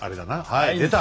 はい出た。